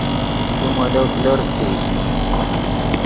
تو مولو کلو ریسئیت